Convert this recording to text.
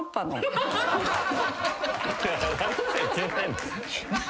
笑っちゃいけない。